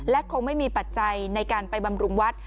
และคงไม่มีปัจจัยในการไปบำรุงวัด